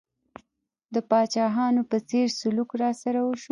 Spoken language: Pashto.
د پاچاهانو په څېر سلوک راسره وشو.